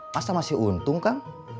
masa masih untung kang